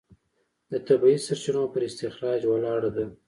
د طبیعي سرچینو پر استخراج ولاړه ده.